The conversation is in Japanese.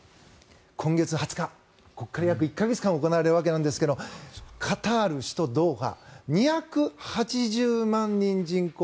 今月２０日から１か月間行われるわけですがカタール、首都ドーハ２８０万人、人口。